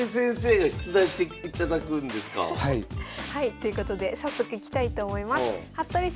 ということで早速いきたいと思います。